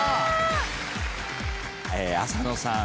浅野さん